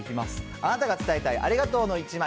あなたが伝えたいありがとうの１枚。